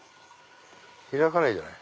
開かないじゃない。